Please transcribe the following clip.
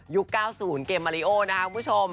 ยุค๙๐เกมมาริโอนะคะคุณผู้ชม